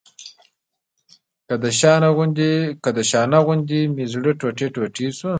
که د شانه غوندې مې زړه ټوټې ټوټې شو.